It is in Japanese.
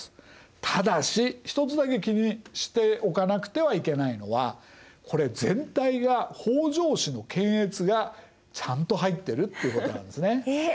ただし一つだけ気にしておかなくてはいけないのはこれ全体が北条氏の検閲がちゃんと入ってるということなんですね。えっ？